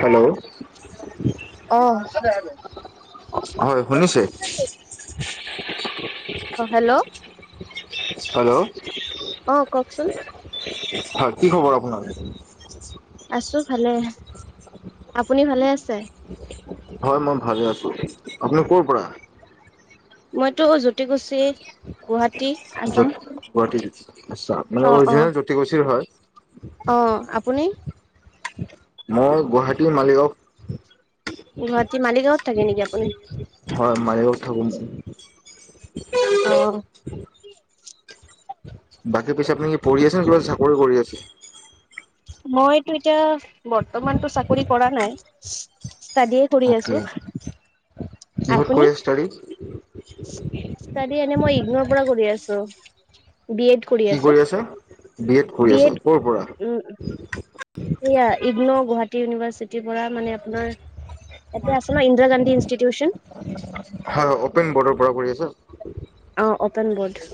Hello অ। হয় শুনিছে। অ হেল্ল'। হেল্ল' অ কওঁকচোন। হয় কি খবৰ আপোনাৰ। আছো ভালে আপুনি ভালে আছে। হয় মই ভালে আছো আপুনি ক'ৰ পৰা। মইতো জ্যোতি কুছি গুৱাহাটী আছাম য'ত গুৱাহাটীৰ আচ্ছা মানে অ অ অৰিজিনেল জ্যোতি কুছিৰ হয়। অ আপুনি? মই গুৱাহাটীৰ মালিগাঁও। গুৱাহাটী মালিগাঁৱত থাকে নেকি আপুনি? হয় মালিগাঁৱত থাকো মই। অ বাকী পিছে আপুনি কি পঢ়ি আছে নে কিবা চাকৰি কৰি আছে। মইতো এতিয়া বৰ্তমানটো চাকৰি কৰা নাই। ষ্টাডীয়ে কৰি অকে আছো। কিহত আপুনি কৰি আছা ষ্টাডী? ষ্টাডী এনে মই ইগনৰ পৰা কৰি আছো। বি এড কি আছো কৰি আছে বি এড কৰি আছে ক'ৰ পৰা? ইগন'ৰ গুৱাহাটী ইউনিভাৰ্চিটি। পৰা মানে আপোনাৰ ইয়াতে আছে না ইন্দিৰা গান্ধী ইনষ্টিটিউচন। হয় অপেন বৰ্ডৰ পৰা কৰি আছে। অঁ অ'পেন ব'ৰ্ড।